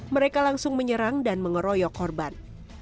mereka langsung menyerang dan mengeroyok korban